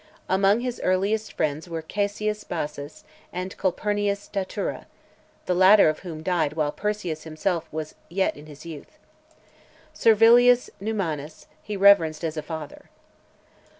Among his earliest friends were Caesius Bassus , and Calpurnius Statura; the latter of whom died while Persius himself was yet in his youth. Servilius (539) Numanus , he reverenced as a father.